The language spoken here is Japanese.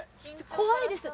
怖いです。